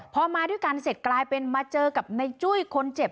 พอมาด้วยกันเสร็จกลายเป็นมาเจอกับในจุ้ยคนเจ็บ